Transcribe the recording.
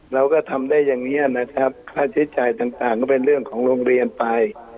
เราก็ทำได้อย่างนี้นะครับค่าใช้จ่ายต่างก็เป็นเรื่องของโรงเรียนไป